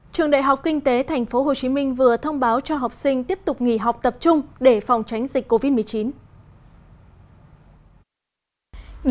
trường đại học kinh tế tp hcm vừa thông báo cho học sinh tiếp tục nghỉ học tập trung để phòng tránh dịch covid một mươi chín